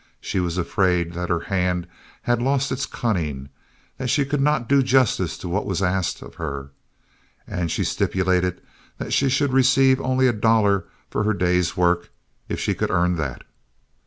She was afraid that her hand had lost its cunning, that she could not do justice to what was asked of her, and she stipulated that she should receive only a dollar for her day's work, if she could earn that.